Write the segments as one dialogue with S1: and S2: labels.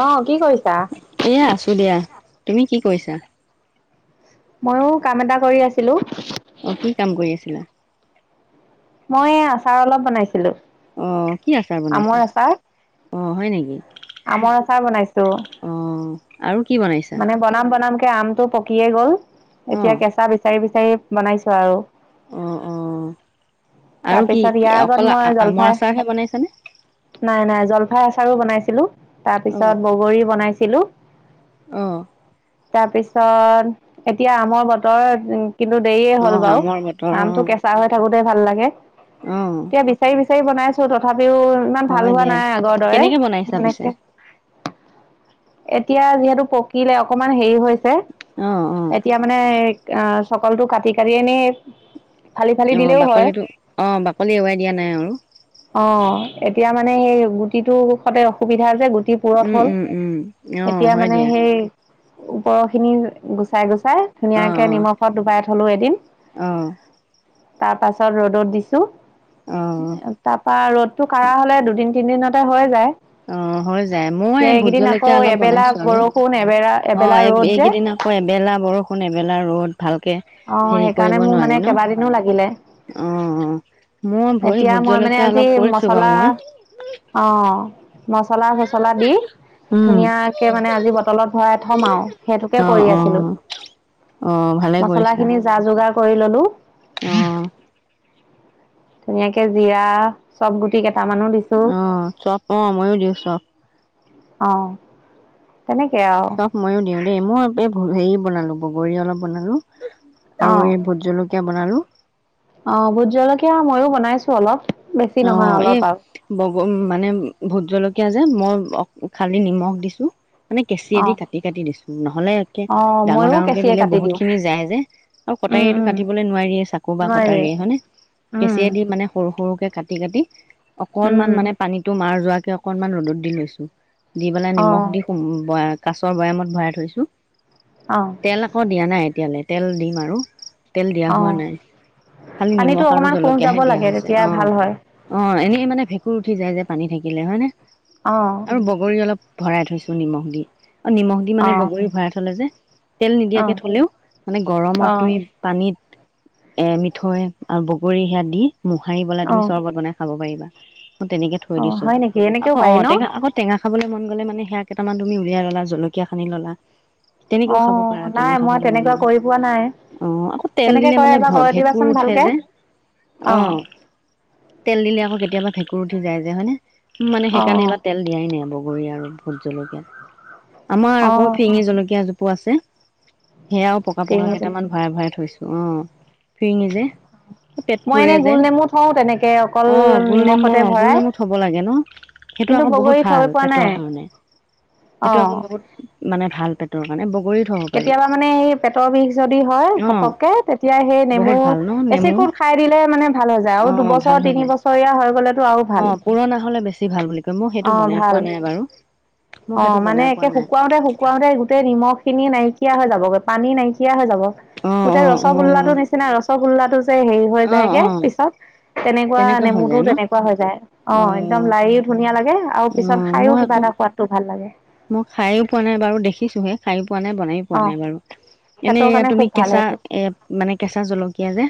S1: অ, কি কৰিছা?
S2: এইয়া আছো দিয়া তুমি কি কৰিছা?
S1: ময়ো কাম এটা কৰি আছিলো।
S2: অ, কি কাম কৰি আছিলা?
S1: মই আচাৰ অলপ বনাইছিলো।
S2: অঁ, কি আচাৰ
S1: আমৰ
S2: বনাইছা?
S1: আচাৰ,
S2: অঁ, হয় নেকি?
S1: আমৰ আচাৰ বনাইছো
S2: অ আৰু কি বনাইছা
S1: মানে বনাম-বনাম কে আমটো পকিয়ে গল
S2: অ
S1: এতিয়া কেঁচা বিচাৰি-বিচাৰি বনাইছো আৰু।
S2: অ অ আৰু কি
S1: তাৰপিছত
S2: কি
S1: ইয়াৰ
S2: অকল
S1: আগত মই
S2: আ- আমৰ
S1: জলফাই।
S2: আচাৰহে বনাইছানে
S1: নাই, নাই, জলফাই আছাৰো বনাইছিলোঁ
S2: অ
S1: তাৰপিছত বগৰী বনাইছিলোঁ।
S2: অ'।
S1: তাৰপিছত এতিয়া আমৰ বতৰ উম কিন্তু দেৰিয়ে
S2: অ
S1: হ'ল বাৰু
S2: আমৰ বতৰ অ
S1: আমটো কেঁচা হৈ থাকোতেই ভাল লাগে।
S2: অ'।
S1: এতিয়া বিচাৰি, বিচাৰি বনাইছোঁ তথাপিও ইমান ভাল
S2: হয়
S1: হোৱা
S2: দিয়া
S1: নাই আগৰ
S2: কেনেকে বনাইছা
S1: দৰে।
S2: পিছে
S1: এতিয়া যিহেতু পকিলে অকমান হেৰি হৈছে।
S2: অ', অ'।
S1: এতিয়া মানে এই আ, চকলটো কাটি, কাটি এনেই ফালি ফালি
S2: অ',
S1: দিলেও হয়
S2: বাকলিটো অ', বাকলি এৰোৱাই দিয়া নাই আৰু।
S1: অ', এতিয়া মানে এই গুটিটো সতে অসুবিধা যে, গুটি পুৰঠ
S2: উম
S1: হ'ল
S2: উম উম অ
S1: এতিয়া
S2: হয়
S1: মানে
S2: দিয়া
S1: সেই ওপৰখিনি গুচাই গুচাই।
S2: অ
S1: ধুনীয়াকে নিমখত ডুবাই থ'লো এদিন।
S2: অ অ
S1: তাৰপাছত ৰ'দত দিছোঁ।
S2: অ
S1: তাপা ৰ'দটো কাঢ়া হ'লে দুদিন তিনদিনতে হৈ যায়।
S2: অ', হৈ যায় ময়ো এই ভূত
S1: এইকেইদিন আকৌ
S2: জলকীয়া অলপ
S1: এবেলা
S2: বনাইছোঁ আৰু
S1: বৰষুণ এবেলা
S2: অ',
S1: এবেলা
S2: এই
S1: ৰ'দ যে
S2: এইকেইদিনৰ এবেলা বৰষুণ এবেলা ৰ'দ। ভালকে
S1: অঁ
S2: হেৰি
S1: সেইকাৰণে
S2: কৰিব
S1: মোৰ মানে
S2: নোৱাৰি ন'
S1: কেইবাদিনো লাগিলে
S2: অ', অ'। মই ভৰি
S1: এতিয়া
S2: ভূত
S1: মই মানে
S2: জলকীয়া
S1: আজি
S2: অলপ কৰিছোঁ
S1: মচলা
S2: বাৰু মই।
S1: অ', মছলা চচলা দি।
S2: উম
S1: ধুনীয়াকে মানে আজি বটলত ভৰাই থ'ম আৰু সেইটোকে
S2: অ
S1: কৰি
S2: অ
S1: আছিলোঁ।
S2: অ'। ভালে কৰিছা
S1: মছলাখিনি যা যোগাৰ কৰি ল'লো।
S2: অ'।
S1: ধুনীয়াকে জিৰা চব গুটি কেইটামানো দিছ
S2: অ', চব অ', ময়ো দিওঁ চ
S1: অ', তেনেকে আৰু
S2: চপ ময়ো দিওঁ দেই মই এই হেৰি বনালোঁ বগৰী অলপ বনালোঁ,
S1: অ
S2: আৰু এই ভূত জল কিয়া বনালোঁ।
S1: অ', ভূত জলকীয়া মইয়ো বনাইছোঁ অলপ। বেছি নহয়
S2: অ', এই
S1: অলপ আৰু
S2: বগ-মানে ভূত জলকীয়া যে, মই অক-খালী নিমখ দিছোঁ। মানে কেঁচিয়ে
S1: অ
S2: দি কাটি, কাটি দিছোঁ নহ'লে একে
S1: অ
S2: ডাঙৰ
S1: ময়ো
S2: ডাঙৰকে
S1: কেঁচিয়ে
S2: দিলে
S1: কাটি দিওঁ
S2: বহুতখিনি যায় যে আৰু
S1: উম
S2: কটাৰীয়েটো
S1: উম
S2: কাটিবলৈ নোৱাৰিয়ে চাকু বা
S1: নোৱাৰি
S2: কটাৰীয়ে হয়নে?
S1: উম
S2: কেঁচিয়ে দি মানে সৰু সৰুকে কাটি কাটি অকনমান
S1: উম
S2: মানে পানীটো মাৰ যোৱাকে অকনমান ৰ'দত দি লৈছোঁ। দি পেলাই
S1: অ
S2: নিমখ দি সো-বৈ-কাছৰ বৈয়ামত ভৰাই থৈছোঁ।
S1: অ'।
S2: তেল আকৌ দিয়া নাই এতিয়ালে তেল দিম আৰু। তেল দিয়া হোৱা
S1: অ
S2: নাই খালী
S1: পানীটো
S2: নিমখ আৰু
S1: অকমান শুহ যাব
S2: জলকীয়াহে দিয়া
S1: লাগে
S2: হৈছে
S1: তেতিয়া ভাল
S2: অ'।
S1: হয়
S2: অ', এনে মানে ভেঁকুৰ উঠি যায় যে, পানী থাকিলে হয়নে?
S1: অ'।
S2: বগৰী অলপ ভৰাই থৈছোঁ নিমখ দি, আৰু নিমখ দি
S1: অ
S2: মানে বগৰী ভৰাই থ'লে যে তেল
S1: অ
S2: নিদিয়াকে থ'লেও মানে
S1: অ
S2: গৰমত তুমি পানীত এ মিঠৈ আৰু বগৰী সেয়া দি মোহাৰি পেলাই
S1: অ
S2: তুমি [unintelligible] বনাই খাব পাৰিবা অ, তেনেকে থৈ
S1: অ
S2: দিছো
S1: হয় নেকি এনেকেও
S2: আকৌ
S1: পাৰি
S2: অ,
S1: ন
S2: টেঙা আগত টেঙা খাবলে মন গ'লে মানে সেইয়া কেইটামান তুমি উলাই ল'লা জলকীয়া খিনি ল'লা।
S1: অ
S2: তেনেকৈও খাব পাৰা
S1: নাই
S2: টেঙা
S1: মই
S2: খাবলৈ মন
S1: তেনেকুৱা
S2: গ'লে।
S1: কৰি পোৱা নাই
S2: অ, আকৌ তেল
S1: কেনেকে
S2: দিলে
S1: কৰে
S2: মানে
S1: এবাৰ
S2: ভ
S1: কৰি দিবাচোন
S2: ভেঁকুৰ উঠে
S1: ভালকে
S2: যে অ, তেল দিলে আকৌ কেতিয়াবা ভেঁকুৰ উঠি যায় যে হয় নে মানে
S1: অ
S2: সেইকাৰণে [unintelligible] তেল দিয়াই নাই বগৰী আৰু ভোট জলকীয়াত আমাৰ
S1: অ অ
S2: আকৌ ফিৰিঙি জলকীয়া জোপ পো আছে সেয়াও পকা-পকা
S1: চিঙি চিঙি
S2: কেইটামান ভৰাই-ভৰাই থৈছোঁ অ, ফিৰিঙি যে। পেট
S1: মই
S2: পুৰে
S1: এনেই
S2: যে
S1: গোল নেমু থও তেনেকে অকল
S2: অ, গোলনেমু
S1: নিমখতে
S2: অ,
S1: ভৰাই
S2: গোলনেমু থব লাগে ন'? সেইটো
S1: কিন্তু
S2: আকৌ বহুত
S1: বগৰী থৈ
S2: ভাল
S1: পোৱা
S2: পেটৰ
S1: নাই
S2: কাৰণে সেইটো আকৌ
S1: অ
S2: বহুত মানে ভাল পেটৰ কাৰণে এ বগৰীত
S1: কেতিয়াবা মানে এই পেটৰ বিষ যদি হয়
S2: অ
S1: ঘপককে তেতিয়া সেই
S2: বহুত
S1: নেমু
S2: ভাল ন নেমু
S1: এচিকোত খাই দিলে মানে ভাল হৈ যায়
S2: অ
S1: আৰু দুবছ
S2: ভাল
S1: বছৰ,
S2: হৈ
S1: তিনি
S2: যায়।
S1: বছৰীয়া হৈ গলেতো আৰু
S2: অ
S1: ভাল
S2: পুৰণা হলে বেছি ভাল বুলি কয় মই সেইটো
S1: অ,
S2: বনাই পোৱা
S1: ভাল।
S2: নাই বাৰু মই
S1: অ,
S2: সেইটো
S1: মানে
S2: বনাই পোৱা
S1: একে
S2: নাই।
S1: শুকাওতে-শুকুৱাও যে গোটেই নিমখ খিনি নাইকিয়া হৈ যাব গৈ পানী নাইকিয়া হৈ যাব
S2: অ',
S1: গোটেই ৰসগোল্লা টো
S2: অ', অ',
S1: নিচি নিচিনা ৰসগোল্লা টো যে হেৰি হৈ
S2: অ',
S1: যায়গে
S2: অ',
S1: পিছত তেনেকুৱা
S2: হৈ
S1: নেমুতটোও
S2: যায় ন?
S1: তেনেকুৱা হৈ যায়। অ, একদম লাৰি ধুনীয়া লাগে আৰু পিছত
S2: অ', মই
S1: খাইয়ো
S2: আকৌ
S1: কিবা এটা সোৱাদটো ভাল লাগে।
S2: মই খাইয়ো পোৱা নাই বাৰু দেখিছোহে খাই পোৱা নাই বনাই পোৱা
S1: অ
S2: নাই বাৰু এনে
S1: পেটৰ
S2: এ
S1: কাৰণে
S2: তুমি
S1: খুব ভাল
S2: কেঁচা
S1: সেইটো
S2: এ মানে কেঁচা জলকীয়া যে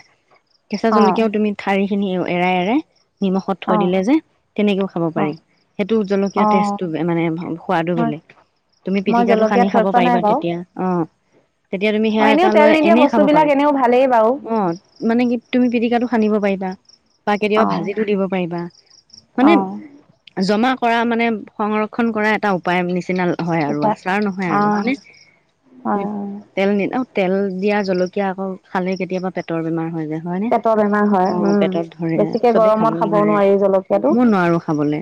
S2: কেঁচা
S1: অ
S2: জলকীয়াও তুমি ঠাৰি খিনি এৰাই- এৰাই নিমখত থৈ
S1: অ
S2: দিলে যে তেনেকেও খাব পাৰি সেইটো জলকীয়া
S1: অ অ
S2: টেষ্টটো মানে [unintelligible]
S1: হয়
S2: বেলেগ তুমি
S1: মই
S2: পিতিকাটো
S1: জলকীয়া
S2: সানি
S1: থৈ
S2: খাব
S1: পোৱা নাই
S2: পাৰিবা
S1: বাৰু
S2: তেতিয়া অ, তেতিয়া তুমি
S1: অ
S2: সেয়া
S1: এনেও
S2: এটা
S1: তেল
S2: লৈ
S1: নিদিয়া
S2: এনেই
S1: বস্তু
S2: খাব
S1: বিলাক
S2: পাৰে।
S1: এনেও ভালেই বাৰু
S2: অ, মানে কি তুমি পিটিকাটো সানিব পাৰিবা। বা
S1: অ
S2: কেতিয়াবা ভাজিটো দিব পাৰিবা
S1: অ
S2: মানে জমা কৰা মানে সংৰক্ষণ কৰা এটা উপায় নিচিনা হয় আৰু
S1: উপায়
S2: আচাৰ নহয়
S1: অ
S2: আৰু
S1: হয়
S2: মানে
S1: হয়।
S2: তেল নি অ, তেল দিয়া জলকীয়া আকৌ খালেই কেতিয়াবা পেটৰ বেমাৰ হৈ যায়। হয় নে
S1: পেটৰ বেমাৰ হয়
S2: অ,
S1: উম
S2: পেটত ধৰে
S1: বেছিকে
S2: চবেই খাব
S1: গৰমত
S2: নোৱাৰে
S1: নোৱাৰি জলকীয়াটো
S2: মই নোৱাৰো খাবলে।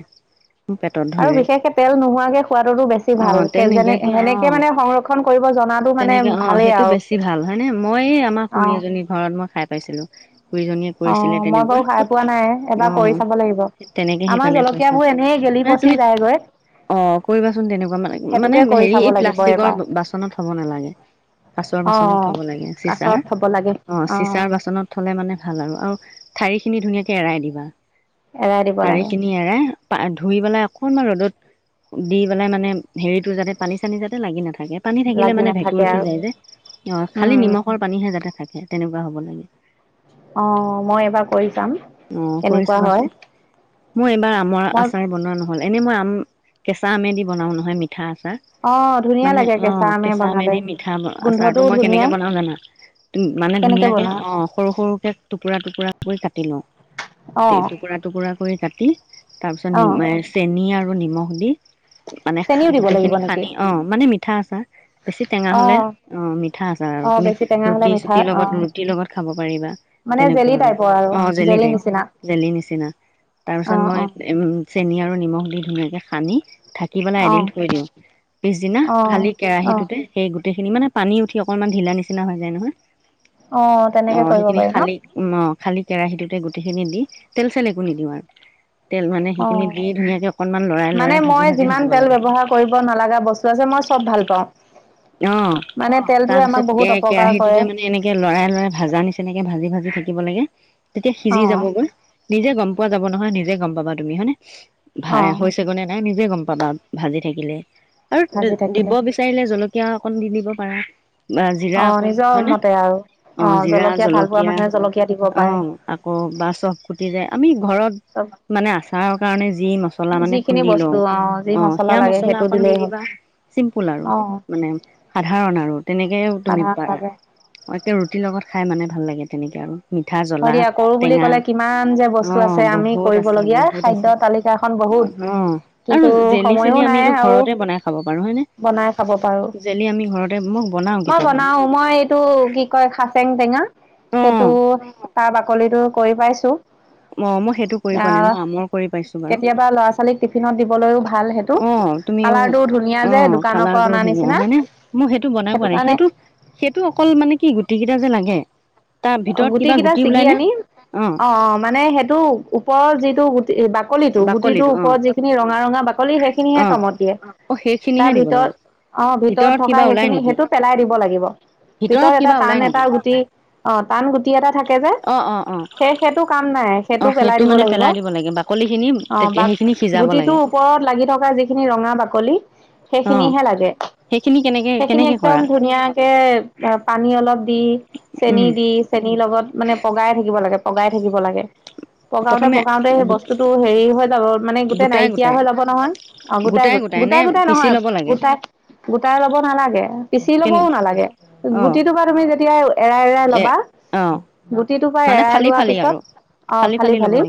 S2: মোৰ পেটত
S1: আৰু
S2: ধৰে
S1: বিশেষকে তেল নোহোৱাকে সোৱাদটো বেছ বেছি
S2: অ তেল
S1: ভালকে যেনে
S2: নিদিয়াকে অ
S1: সেনেকে মানে সংৰক্ষণ কৰিব জনাটো মানেই
S2: তেনেকে অ
S1: ভালেই
S2: সেইটো
S1: আৰু।
S2: বেছি ভাল হয়নে মই আমাৰ
S1: অ
S2: খুৰী এজনীৰ ঘৰত মই খাই পাইছিলোঁ।
S1: অ, মই বাৰু খাই পোৱা নাই এবাৰ
S2: অ
S1: কৰি চাব লাগিব
S2: তেনেকে
S1: আমাৰ
S2: সেইকাৰণে থৈছো
S1: জলকীয়াবোৰ এনে গেলি
S2: মানে
S1: পচ চি
S2: তুমি
S1: যায়গৈ।
S2: অ, কৰিবাচোন তেনেকুৱা মানে-মানে
S1: সেইটোকে কৰি
S2: হেৰি
S1: চাব
S2: এই
S1: লাগিব এবাৰ
S2: প্লাষ্টিকৰ বাচনত থব নালাগে। কাছৰ বাচনত
S1: অ',
S2: থ'ব লাগে চিচাৰ
S1: কাছত থব লাগে
S2: অ,
S1: অ',
S2: চিচাৰ বাচনত থলে মানে ভাল আৰু - আৰু ঠাৰি খিনি ধুনীয়াকে এৰাই দিবা
S1: এৰাই দিব
S2: ঠাৰি
S1: লাগে।
S2: খিনি এৰাই পা ধুই বেলাই অকণমান ৰ'দত দি বেলাই মানে হেৰিতো যাতে পানী চানী যাতে লাগি নাথাকে পানী থাকিলে
S1: লাগি
S2: মানে ভেঁকুৰ
S1: নাথাকে
S2: উঠি
S1: আৰু
S2: যায় যে অ,
S1: উম,
S2: খালি নিমখৰ পানীহে যাতে থাকে তেনেকুৱা হ'ব লাগে।
S1: অ', অ', মই এবাৰ কৰি চাম।
S2: অ, কৰি
S1: কেনেকুৱা হয়
S2: চাবাচোন মই এইবাৰ আমৰ
S1: মই
S2: আচাৰ বনোৱা নহ'ল। এনেই মই আম কেঁচা আমেদি বনাওঁ নহয় মিঠা আচাৰ।
S1: অ', ধুনীয়া
S2: মানে
S1: লাগে
S2: অ,
S1: আমে
S2: কেঁচা
S1: বনালে।
S2: আমেদি মিঠা আচাৰটো
S1: গোন্ধটোও
S2: মই
S1: ধুনীয়া
S2: কেনেকে বনাও জানা তুমি মানে
S1: কেনেকে
S2: ধুনীয়াকে
S1: বনোৱা?
S2: অ সৰু সৰুকে টুকুৰা -টুকুৰা কৰি কাটি লওঁ।
S1: অ',
S2: টুকুৰা -টুকুৰাকৈ কৰি কাটি তাৰ পিছত
S1: অ',
S2: নি চেনি, আৰু নিমখ, দি মানে
S1: চেনিও দিব
S2: গোটেই
S1: লাগিব
S2: খিনি
S1: নেকি?
S2: খানি অ মানে মিঠা আচাৰ, বেছি টেঙা হ'লে- অ মিঠা আছাৰ আৰু
S1: অ',
S2: তুমি
S1: বেছি টেঙা হ'লে
S2: ৰুটি
S1: মিঠা
S2: -চুটিৰ লগত
S1: অ',
S2: ৰুটিৰ লগত খাব পাৰিবা।
S1: মানে
S2: তেনেকুৱা
S1: জেলি
S2: আৰু
S1: টাইপৰ
S2: অ জেলি, টাইপ।
S1: নিচিনা
S2: জেলি, নিচিনা তাৰ পিছত
S1: অ',
S2: মই
S1: অ',
S2: চেনি, আৰু নিমখ, দি ধুনীয়াকে সানি। ঢাকি পেলাই এদিন
S1: অ',
S2: থৈ দিওঁ পিছদিনা
S1: অ',
S2: খালি
S1: অ',
S2: কেৰাহীটোতে সেই গোটেইখিনি মানে পানী উঠি অকণমান ঢিলা নিচিনা হৈ যায় নহয় অ
S1: তেনেকে কৰিব
S2: সেইখিনি
S1: পাৰি ন?
S2: খালি। অ খালি কেৰাহীটোতে গোটেইখিনি দি তেল চেল একো নিদিওঁ আৰু তেল, মানে সেইখিনি
S1: অ',
S2: দি ধুনীয়াকৈ অকণমান লৰাই লৰাই ভাজি -ভাজি থাকিব লাগে।
S1: ব নালাগা বস্তু আছে মই চব ভাল পাওঁ।
S2: অ',
S1: মানে
S2: তাৰ
S1: তেলটোৱে আমাক
S2: পিছত কে
S1: বহুত অপকাৰ কৰে
S2: কেৰাহীটোতে মানে এনেকে লৰাই, লৰাই ভাজা নিচিনাকে ভাজি, ভাজি থাকিব লাগে তেতিয়া সিজি যাব
S1: অ',
S2: গৈ। নিজে গম পোৱা যাব, নহয় নিজে গম পাবা তুমি, হয়নে
S1: অ',
S2: ভ হৈছে। নাই নিজে গ'ম পাবা ভাজি থাকিলে, আৰু
S1: ভাজি থাকিলে।
S2: দিব বিচাৰিলে জল কীয়া অকণ দি দিব পাৰা। বা জিৰা
S1: অ',
S2: অকন
S1: নিজৰ
S2: হয় ন,
S1: মতে আৰু
S2: অ', জিৰা,
S1: ভাল পোৱা
S2: জলকীয়া
S1: মানুহে জলকীয়া দিব পাৰে।
S2: অ'। অ', বা চব কুটিৰে আমি ঘৰত
S1: চব
S2: মানে আচাৰৰ কাৰণে যি মছলা মানে
S1: যিখিনি
S2: খুন্দি লও,
S1: বস্তু যি
S2: অ', সেয়া
S1: লাগে
S2: মছলা
S1: সেইটো
S2: অকণ দি
S1: দিলেই হ'ল
S2: দিবা। চিম্পুল, আৰু
S1: অ'।
S2: মানে সাধাৰণ আৰু তেনেকে তুমি পাৰা।
S1: সাধাৰণভাৱে
S2: অ', তেওঁ ৰুটিৰ, লগত খাই মানে ভাল লাগে তেনেকে আৰু। মিঠা,
S1: হয়
S2: জ্বলা,
S1: দিয়া কৰো বুলি
S2: টেঙা
S1: ক'লে কিমান যে বস্তু
S2: অ',
S1: আছে আমি
S2: বহুত আছে,
S1: কৰিবলগীয়া
S2: বহুত
S1: খাদ্য
S2: আছে।
S1: তালিকাখন
S2: অ,
S1: বহুত।
S2: আৰু
S1: কিন্তু
S2: জেলি-
S1: সময়ো
S2: চেলি
S1: নাই
S2: আমটো
S1: আৰু
S2: ঘৰতে বনাই খাব পাৰো হয় নে।
S1: বনাই খাব পাৰো।
S2: জেলি আমি ঘৰতে মই, বনাও
S1: মই
S2: কেতিয়াবা।
S1: বনাও মই এইটো কি কয় খাচেং টেঙা
S2: অ
S1: সেইটো এটো, কৰি পাইছো।
S2: অ', মই সেইটো কৰি পোৱা নাই,
S1: আহ
S2: মই আমৰ, কৰি পাইছো বাৰু
S1: কেতিয়াবা ল'ৰা ছোৱালীক টিফিনত দিবলৈও ভাল সেইটো
S2: অ'। তুমি
S1: কালাৰটো ধুনীয়া যে
S2: অ',
S1: দোকানৰ পৰা
S2: কালাৰ
S1: অনা
S2: ধুনীয়া
S1: নিচিনা
S2: হয় ন মই সেইটো বনাই পোৱা নাই সেইটো সেইটো অকল মানে কি, গুটিকেইটা যে লাগে। তাৰ ভিতৰত
S1: গুটি,
S2: কিবা
S1: কেইটা ছিগি
S2: ওলাই নে
S1: আনি অ', মানে সেইটো ওপৰৰ যিটো বাকলি টো গুটিটো,
S2: বাকলিটো অ
S1: ওপৰত যিখিনি ৰঙা -ৰঙা বাকলি
S2: অ
S1: সেইখিনিহে কামত দিয়ে।
S2: অ',
S1: তাৰ
S2: সেইখিনিহে দিব
S1: ভিতৰত
S2: লাগে।
S1: অ', ভিতৰত থকা
S2: কিবা ওলাই
S1: সেইখিনি
S2: নেকি?
S1: সেইটো পেলাই দিব লাগিব ভিতৰত এটা
S2: কিবা ওলাই
S1: টান
S2: নেকি?
S1: এটা গুটি অ', টান গুটি এটা থাকে যে,
S2: অ', অ', অ',
S1: সেই-সেইটো কাম নাই সেইটো পেলাই দিব লাগিব।
S2: কলিখিনি।
S1: অ', বা গুটিটোৰ, ওপৰত লাগি থকা যিখিনি ৰঙা বাকলি
S2: অ',
S1: সেইখিনিহে লাগে।
S2: সেইখিনি কেনেকে
S1: সেইখিনি
S2: কেনেকে
S1: একদম
S2: কৰা?
S1: ধুনীয়াকৈ পানী অলপ দি। চেনী
S2: উম,
S1: দি চেনী, লগত মানে পগাই থাকিব লাগে, পগাই থাকিব লাগে। পকাইতে
S2: প্ৰথমে
S1: পকাইতে সেই
S2: গোট
S1: বস্তুটো হেৰি হৈ যাব মানে গোটেই
S2: গোটাই
S1: নাইকিয়া
S2: গোটাই
S1: হৈ যাব নহয়। অ', গোটেইগোট
S2: নে
S1: গোটাই গোটাই
S2: পিচি
S1: নহয়
S2: ল'ব লাগে?
S1: গোটাই গোটাই ল'ব নালাগে পিচি লবও
S2: কেনে
S1: নালাগে
S2: অ',
S1: গুটিটো পৰা তুমি যেতিয়া এৰাই এৰাই
S2: এ
S1: লবা
S2: অ',
S1: গুটিটো পা
S2: মানে
S1: এৰাই
S2: ফালি
S1: লোৱাৰ
S2: ফালি
S1: পিছত
S2: আৰু
S1: অ', ফালি ফালি।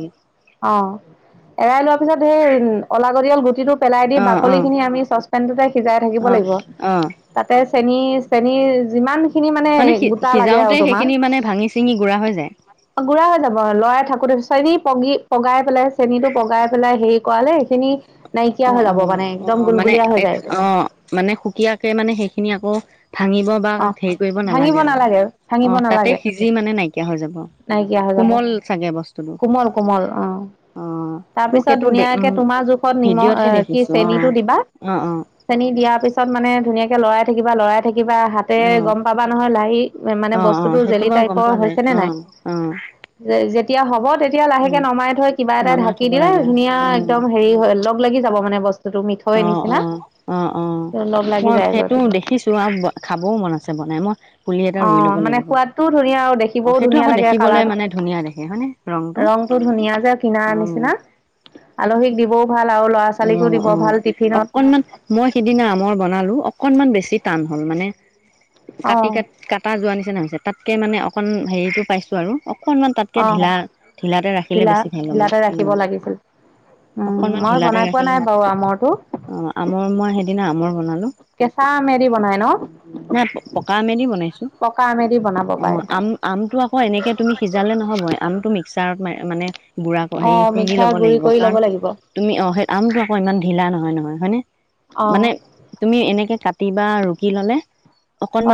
S1: অ', এৰাই লোৱাৰ পিছত ঢেৰ অলাগদিয়ল গুটিটো পেলাই দি
S2: অ',
S1: বাকলি
S2: অ',
S1: খিনি আমি চচপেনটোতে সিজাই থাকিব
S2: অ',
S1: লাগিব।
S2: অ',
S1: তাতে চেনী চেনীৰ যিমান খিনি মানে লাগে
S2: সিজাওঁতে
S1: আৰু
S2: সেইখিনি মানে ভাগি, চিগি গুড়া হৈ যায়।
S1: গুঢ়া হৈ যাব লৰাই থাকোতে চেনি পগি পগাই পেলাই চেনিটো পগাই পেলাই হেৰি কৰালে সেইখিনি নাইকিয়া
S2: অ
S1: হৈ
S2: অ
S1: যব মানে
S2: অ
S1: একদম
S2: মানে
S1: গুলগুলীয়া হৈ
S2: এক
S1: যায় গৈ।
S2: অ মানে সুকীয়াকে মানে সেইখিনি আকৌ ভাঙিব বা
S1: অ
S2: হেৰি কৰিব
S1: ভাঙিব
S2: নালাগে আৰু অ
S1: ভাঙিব
S2: তাতে
S1: নালাগে
S2: সিজি মানে নাইকিয়া হৈ যাব।
S1: নাইকিয়া হৈ যাব,
S2: কোমল চাগে বস্তুটো
S1: কোমল কোমল অ'।
S2: মোক
S1: তাৰপিছত
S2: সেইটো দে উম
S1: ধুনীয়াকে তোমাৰ জোখত নিমখ
S2: ভিডিঅ'তহে
S1: আহ কি
S2: দেখিছো অ
S1: চেনিটো দিবা।
S2: অ
S1: চেনী দিয়াৰ পিছত মানে ধুনীয়াকৈ লৰাই থাকিবা, লৰাই থাকিবা
S2: অ
S1: হাতেৰে
S2: অ
S1: গম পাবা নহয় লাহি মানে
S2: অ
S1: বস্তুটো জেলি টাইপৰ হৈছে নে নাই।
S2: উম।
S1: যে যেতিয়া হ'ব তেতিয়া লাহেকে নমাই থৈ কিবা এটা
S2: নমাই
S1: ঢাকি
S2: থব
S1: দিলে
S2: লাগে অ
S1: ধুনীয়া একদম হেৰি হৈ লগ লাগি যাব মানে বস্তু
S2: অ', অ', অ', অ',
S1: লগ লাগি
S2: মই
S1: যায়গৈ
S2: সেইটো
S1: পিছত
S2: দেখিছো খাবও মন আছে বনাই মোৰ পুলি এটা
S1: অ
S2: ৰুই ল'ব
S1: মানে
S2: লাগিব
S1: সোৱাদটোও ধুনীয়া আৰু
S2: অ,
S1: দেখিবও
S2: সেইটো
S1: ধুনীয়া
S2: আকৌ
S1: লাগে
S2: দেখিবলৈ
S1: কালাৰটো
S2: মানে ধুনীয়া দেখে হয় নে।
S1: ৰংটো ধুনীয়া যে কিনাৰ নিচিনা। আলহীক দিবও ভাল আৰু লৰা ছোৱালীকো
S2: উম
S1: দিব
S2: উম
S1: ভাল। টিফিনত
S2: অকনমান মই সিদিনা আমৰ বনালো অকনমান বেছি টান হ'ল মানে।
S1: অ
S2: কাটি, কাটি, কাটা যোৱা নিচিনা হৈছে। তাতকে মানে অকন হেৰিতটো পাইছো আৰু অকনমান তাত কে
S1: অ
S2: ঢিলা, ঢিলাতে ৰাখিলে
S1: ঢিলা
S2: বেছি ভাল হ'ব
S1: ঢিলাতে ৰাখিব
S2: উম।
S1: লাগিছিল উম
S2: অকনমান
S1: মই
S2: ঢিলাতে
S1: বনাই পোৱা নাই
S2: ৰাখিলে অ,
S1: বাৰু আমৰটো
S2: আমৰ মই সেইদিনা আমৰ বনালো।
S1: কেঁচা আমে দি বনাই ন?
S2: নাই পকা আমেদি বনাইছো
S1: পকা আমেদি বনাব
S2: অ,
S1: পাৰে
S2: আম। আমটো আকৌ এনেকে তুমি সিজালে নহব আমটো মিক্সাৰত ম মানে গুৰা
S1: অ
S2: হেৰি খুন্দি
S1: মিক্সাৰ
S2: ল'ব
S1: গুৰি
S2: লাগিব
S1: কৰি
S2: কাৰণ
S1: ল'ব লাগিব
S2: তুমি অ, সেই আমটো আকৌ ইমান ঢিলা নহয় নহয়, হয় নে
S1: অ
S2: মানে তুমি এনেকে কাটি বা ৰুকি ললে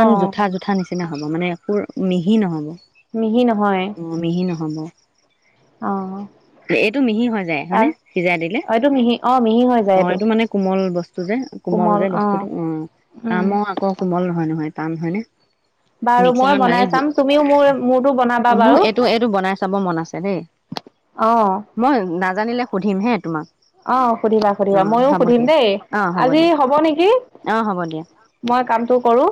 S1: অ
S2: জোঠা জো ঠা নিচিনা হ'ব মানে একো মিহি নহ'ব।
S1: মিহি নহয়।
S2: অ মিহি নহব,
S1: অ
S2: এইটো মিহি হৈ যায়, হয়
S1: তাৰ
S2: নে? সিজাই দিলে।
S1: এইটো মিহি অ, মিহি হৈ যায়।
S2: অ, এইটো মানে কোমল বস্তু যে, কোমল যে বস্তুটো অ,
S1: উম
S2: আম আ ক কোমল নহয় নহয় টান হয় নে।
S1: বাৰু মই
S2: মিক্সাৰত
S1: বনাই
S2: মাৰি
S1: চাম তুমিও মোৰ মোৰতো বনাবা
S2: মোৰ
S1: বাৰু
S2: এইটো, এইটো বনাই চাব মন আছে দেই।
S1: অ'।
S2: মই নাজানিলে সুধিম হে তোমাক।
S1: অঁ সুধিবা
S2: অ
S1: সুধিবা, মইয়ো
S2: হ'ব
S1: সুধিম
S2: দিয়া
S1: দেই,
S2: অ
S1: আজি
S2: দিয়া
S1: হ'ব নেকি।
S2: অ হ'ব দিয়া
S1: মই কামটো কৰো।